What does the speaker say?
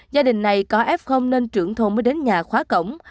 gia đình này có f nên trưởng thôn mới đến nhà khóa cổng